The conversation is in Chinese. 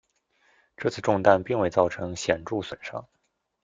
这次中弹并未造成显着损伤。